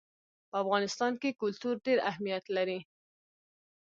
په افغانستان کې کلتور ډېر اهمیت لري.